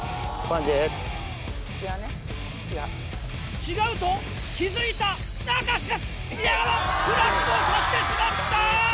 違うと気付いたしかし宮川フラッグをさしてしまった！